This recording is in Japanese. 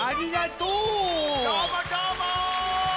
どーもどーも！